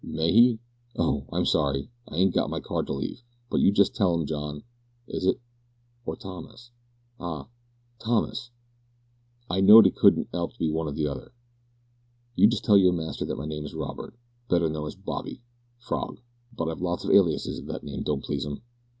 "May he? Oh! I'm sorry I ain't got my card to leave, but you just tell him, John is it, or Thomas? Ah! Thomas. I knowed it couldn't 'elp to be one or t'other; you just tell your master that my name is Robert, better known as Bobby, Frog. But I've lots of aliases, if that name don't please 'im.